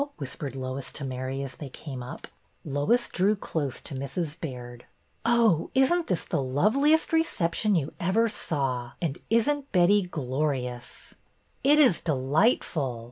whispered Lois to Mary as they came up. 320 BETTY BAIRD'S VENTURES Lois drew close to Mrs. Baird. Oh, is n't this the loveliest reception you ever saw! And is n't Betty glorious !" It is delightful."